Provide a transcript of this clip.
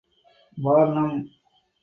Barnum.